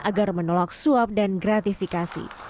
agar menolak suap dan gratifikasi